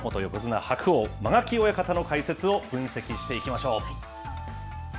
では能町さんと元横綱・白鵬、間垣親方の解説を分析していきましょう。